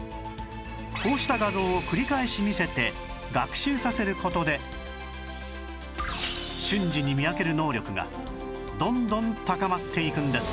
こうした画像を繰り返し見せて学習させる事で瞬時に見分ける能力がどんどん高まっていくんです